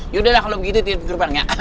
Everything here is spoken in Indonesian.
yaudah lah kalau begitu tidur di gerbang ya